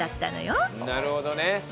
なるほどね。